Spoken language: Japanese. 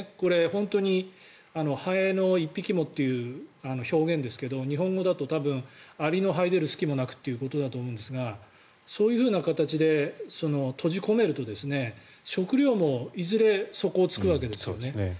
本当にハエの１匹もという表現ですけれども日本語だとアリのはい出る隙もなくということだと思いますがそういうふうな形で閉じ込めると食料もいずれ底を突くわけですよね。